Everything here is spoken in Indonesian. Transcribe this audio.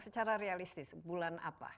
secara realistis bulan apa